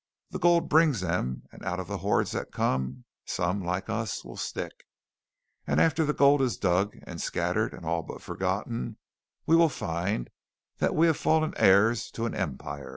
The gold brings them, and out of the hordes that come, some, like us, will stick. And after the gold is dug and scattered and all but forgotten, we will find that we have fallen heirs to an empire."